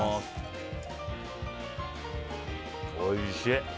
おいしい！